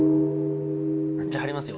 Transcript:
じゃあ貼りますよ。